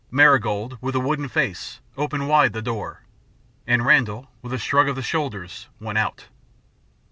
Marigold, with a wooden face, opened wide the door, and Randall, with a shrug of the shoulders, went out.